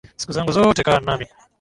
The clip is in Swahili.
Siku zangu zote kaa nami